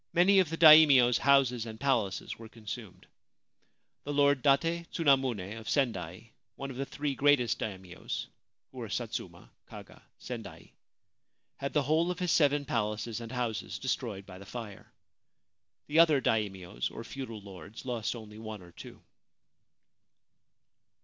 Many of the Daimios' houses and palaces were consumed. The Lord Date Tsunamune of Sendai, one of the three greatest Daimios (who were Satsuma, Kaga, Sendai), had the whole of his seven palaces and houses destroyed by the fire ; the other Daimios or feudal Jords lost only one or two.